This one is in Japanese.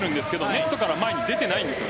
ネットから前に出ていないんです。